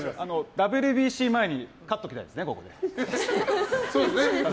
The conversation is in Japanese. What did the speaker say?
ＷＢＣ前に勝っておきたいです